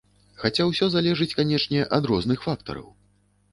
Хаця ўсё залежыць, канечне, ад розных фактараў.